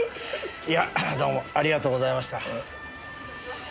いやどうもありがとうございました。